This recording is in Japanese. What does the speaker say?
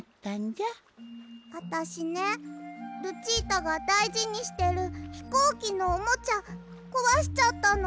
あたしねルチータがだいじにしてるひこうきのおもちゃこわしちゃったの。